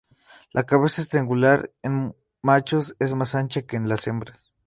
La cabeza es triangular, en machos es más ancha que en las hembras.